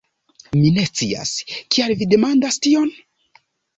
Mi ne scias, kial vi demandas tion?